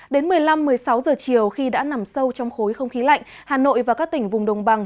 đến một mươi năm một mươi sáu giờ chiều khi đã nằm sâu trong khối không khí lạnh hà nội và các tỉnh vùng đồng bằng